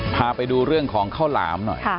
พาไปดูเรื่องของข้าวหลามหน่อย